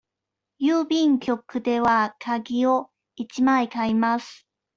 郵便局ではがきを一枚買います。